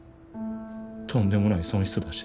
とんでもない損失出して。